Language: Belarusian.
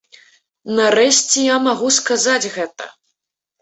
Нарэшце я магу сказаць гэта!